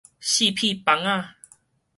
四片枋仔